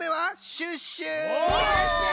シュッシュ！